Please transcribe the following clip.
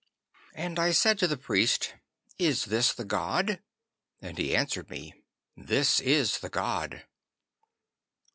'And I said to the priest, "Is this the god?" And he answered me, "This is the god."